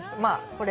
これ。